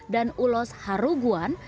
dan ulos haruguan